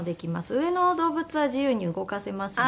上の動物は自由に動かせますので。